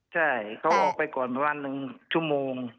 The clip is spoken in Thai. ใช่เขาออกไปก่อนประมาณ๑จุมูล